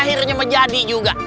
akhirnya menjadi juga